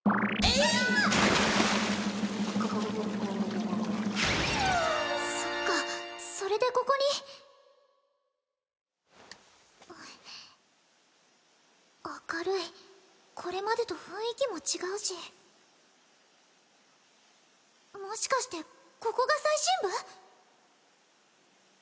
キャーそっかそれでここに明るいこれまでと雰囲気も違うしもしかしてここが最深部？